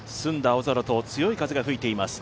青空と強い風が吹いています。